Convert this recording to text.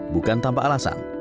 bukan tanpa alasan